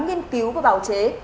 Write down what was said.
nghiên cứu và bào chế